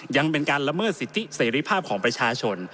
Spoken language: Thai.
ยังเป็นการละเมิดสิทธิเสรีภาพของประชาชน